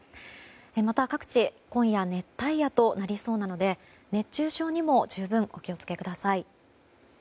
また、各地今夜熱帯夜となりそうなので熱中症にも十分お気をつけください。